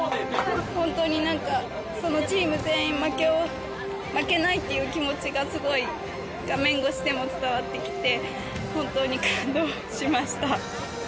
本当になんか、チーム全員負けないっていう気持ちが、すごい画面越しでも伝わってきて、本当に感動しました。